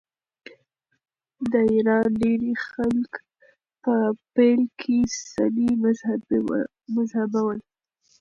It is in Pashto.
د ایران ډېری خلک په پیل کې سني مذهبه ول.